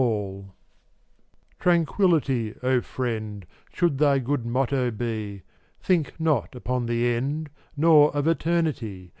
0un<j ftSftXCLt Tranquillity, O friend, fV% Should thy good motto be; ^vC/ Think not upon the end, Nor of eternity.